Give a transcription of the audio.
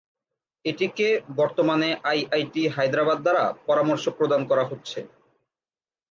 এটিকে বর্তমানে আইআইটি হায়দ্রাবাদ দ্বারা পরামর্শ প্রদান করা হচ্ছে।